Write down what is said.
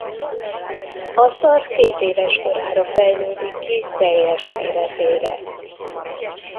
A szarv kétéves korára fejlődik ki teljes méretére.